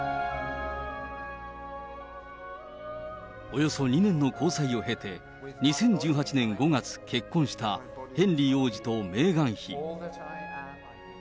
およそ２年の交際を経て、２０１８年５月、結婚したヘンリー王子とメーガン妃。